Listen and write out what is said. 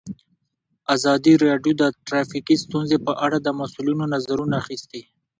ازادي راډیو د ټرافیکي ستونزې په اړه د مسؤلینو نظرونه اخیستي.